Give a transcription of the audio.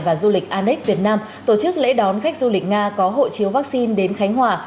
và du lịch anic việt nam tổ chức lễ đón khách du lịch nga có hộ chiếu vaccine đến khánh hòa